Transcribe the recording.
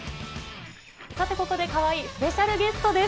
さてここで、かわいいスペシャルゲストです。